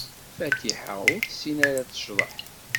Fatiḥa ur tessin ara ad tecḍeḥ.